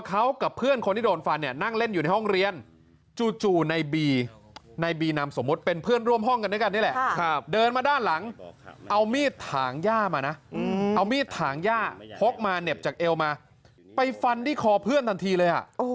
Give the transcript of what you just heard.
เอามีดถางหญ้ามานะเอามีดถางหญ้าเผาะมาแนบจากเอวมาไปฟันดิดขอเพื่อนทันทีเลยอะ